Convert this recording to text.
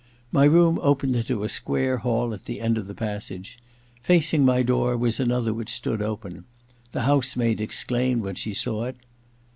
My room opened into a square hall at the end of the passage. Facing my door was another which stood open : the house msdd exclaimed when she saw it.